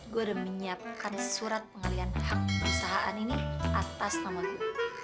gue udah menyiapkan surat pengalian hak perusahaan ini atas nama gue